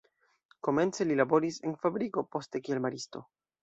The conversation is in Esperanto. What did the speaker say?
Komence li laboris en fabriko, poste kiel maristo.